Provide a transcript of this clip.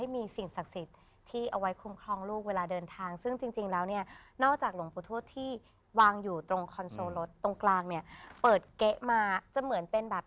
มีสิ่งศักดิ์สิทธิ์ที่เอาไว้คุ้มครองลูกเวลาเดินทางซึ่งจริงแล้วเนี่ยนอกจากหลวงปู่ทวดที่วางอยู่ตรงคอนโซลรถตรงกลางเนี่ยเปิดเก๊ะมาจะเหมือนเป็นแบบ